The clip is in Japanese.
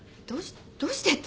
どうしてって。